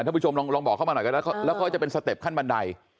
ผู้ชมลองบอกเข้ามาหน่อยกันแล้วเขาจะเป็นสเต็ปขั้นบันได